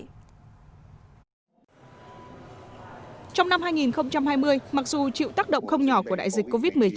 trong năm hai nghìn hai mươi mặc dù chịu tác động không nhỏ của đại dịch covid một mươi chín